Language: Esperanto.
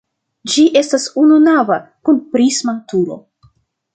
Ĝi estas ununava kun prisma turo.